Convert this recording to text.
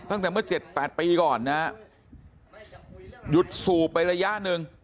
ตั้งแต่เมื่อ๗๘ปีก่อนนะหยุดสูบไประยะนึง